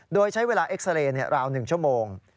โดยใช้เวลาเอ็กซาเรย์ราว๑ชั่วโมง